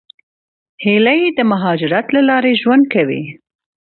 هیلۍ د مهاجرت له لارې ژوند کوي